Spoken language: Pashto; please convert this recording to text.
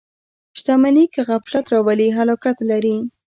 • شتمني که غفلت راولي، هلاکت لري.